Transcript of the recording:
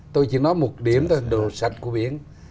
tôi chỉ nói một điểm là đồ sạch của biển